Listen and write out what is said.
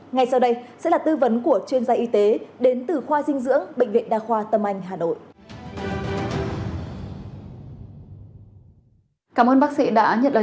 ngay sau đây sẽ là tư vấn của chuyên gia y tế đến từ khoa dinh dưỡng bệnh viện đa khoa tâm anh hà nội